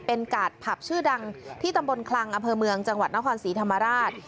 เป็นกาดผับชื่อดังที่ตำบลคลังอำเภอเมืองจังหวัดนครศรีธรรมราช